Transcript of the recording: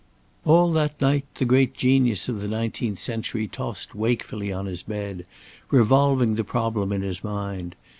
All that night, the great genius of the nineteenth century tossed wakefully on his bed revolving the problem in his mind.